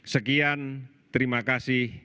sekian terima kasih